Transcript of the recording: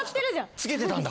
つけてたんだ。